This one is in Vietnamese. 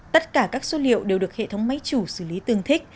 tất cả các số liệu đều được hệ thống máy chủ xử lý tương thích